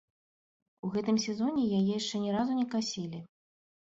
У гэтым сезоне яе яшчэ ні разу не касілі.